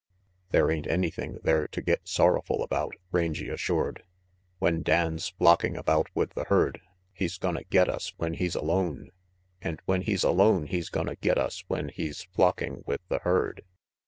"There ain't anything there to get sorrowful about," Rangy assured. "When Dan's flocking about with the herd, he's gonna get us when he's alone; and when he's alone he's gonna get us when he's flocking with the herd."